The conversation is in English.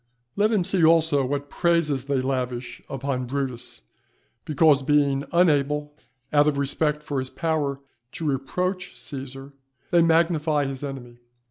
Let him see also what praises they lavish upon Brutus, because being unable, out of respect for his power, to reproach Cæsar, they magnify his enemy.